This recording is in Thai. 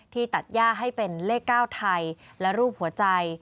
ตัดย่าให้เป็นเลข๙ไทยและรูปหัวใจ